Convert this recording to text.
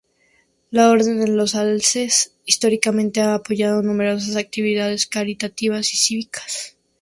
La Orden de los Alces históricamente ha apoyado numerosas actividades caritativas y cívicas.